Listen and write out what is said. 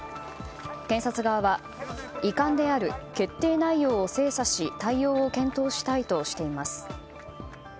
検察側は遺憾である、決定内容を精査し対応を検討したいとしています。